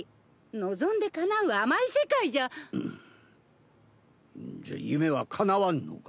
望んでかなう甘い世界じゃんんじゃあ夢はかなわんのか？